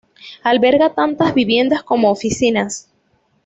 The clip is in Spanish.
Alberga tanto viviendas como oficinas.